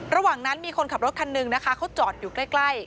ระหว่างนั้นมีคนขับรถคันหนึ่งนะคะเขาจอดอยู่ใกล้